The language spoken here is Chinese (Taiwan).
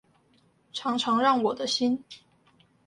常常讓我的心